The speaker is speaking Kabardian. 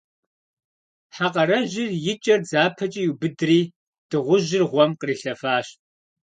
Хьэ къэрэжыр и кӏэр дзапэкӏэ иубыдри, дыгъужьыр гъуэм кърилъэфащ.